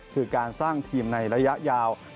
คือการสร้างทีมในระยะยาว